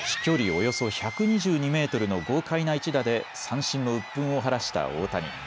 およそ１２２メートルの豪快な１打で三振のうっぷんを晴らした大谷。